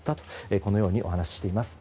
このようにお話ししています。